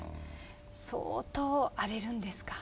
相当荒れるんですか？